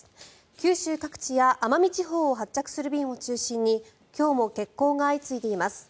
九州各地や奄美地方を発着する便を中心に今日も欠航が相次いでいます。